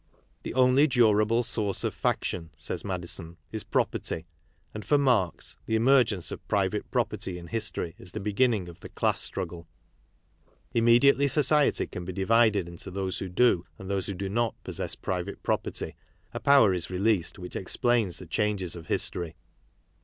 The only durable source of faction," said Madison, " is property," and, for Marx, the emergence of private property in history is the beginning of the class struggle. Immediately society can be divided into those who do, and those who do not, possess private property, a power is released |which explains the changes of history.